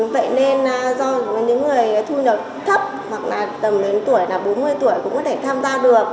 vậy nên do những người thu nhập thấp hoặc là tầm đến tuổi là bốn mươi tuổi cũng có thể tham gia được